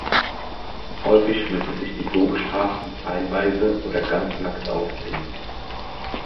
Häufig müssen sich die so Bestraften teilweise oder ganz nackt ausziehen.